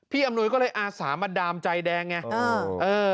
อำนวยก็เลยอาสามาดามใจแดงไง